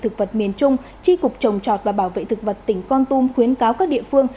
trung tâm bảo vệ thực vật miền trung tri cục trồng trọt và bảo vệ thực vật tỉnh con tum khuyến cáo các địa phương